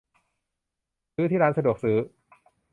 ซื้อที่ร้านสะดวกซื้อ